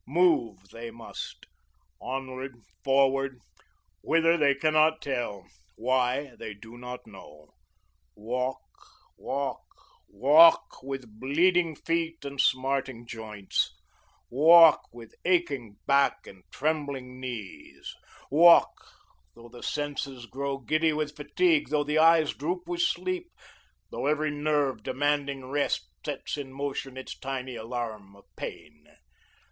Move, they must; onward, forward, whither they cannot tell; why, they do not know. Walk, walk, walk with bleeding feet and smarting joints; walk with aching back and trembling knees; walk, though the senses grow giddy with fatigue, though the eyes droop with sleep, though every nerve, demanding rest, sets in motion its tiny alarm of pain.